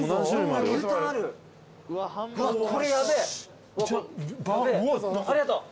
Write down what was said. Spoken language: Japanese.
ああありがとう。